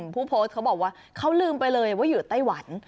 ผู้โพสต์เขาบอกว่าเขาลืมไปเลยว่าอยู่ไต้หวัน